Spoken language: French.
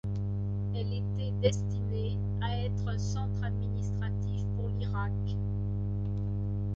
Elle était destinée à être un centre administratif pour l'Irak.